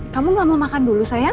kamu gak mau makan dulu saya